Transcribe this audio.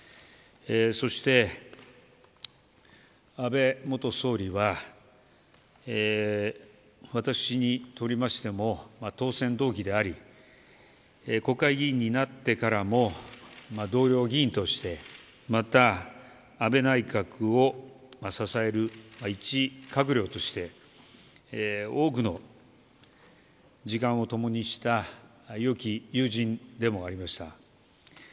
そして、安倍元総理は私にとりましても当選同期であり国会議員になってからも同僚議員としてまた、安倍内閣を支える一閣僚として多くの時間を共にした良き友人でもありました。